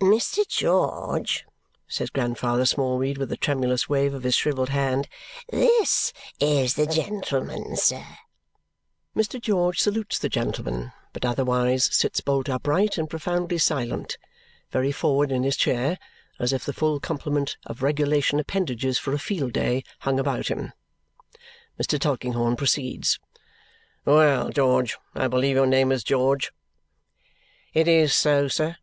"Mr. George," says Grandfather Smallweed with a tremulous wave of his shrivelled hand, "this is the gentleman, sir." Mr. George salutes the gentleman but otherwise sits bolt upright and profoundly silent very forward in his chair, as if the full complement of regulation appendages for a field day hung about him. Mr. Tulkinghorn proceeds, "Well, George I believe your name is George?" "It is so, Sir."